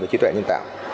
trí tuệ nhân tạo